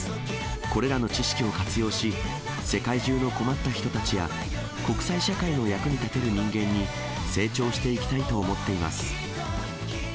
これらの知識を活用し、世界中の困った人たちや、国際社会の役に立てる人間に成長していきたいと思っています。